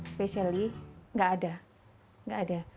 spesialnya nggak ada